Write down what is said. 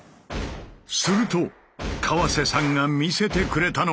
すると川瀬さんが見せてくれたのが。